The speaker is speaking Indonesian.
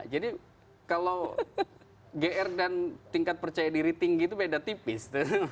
jadi kalau gr dan tingkat percaya diri tinggi itu beda tipis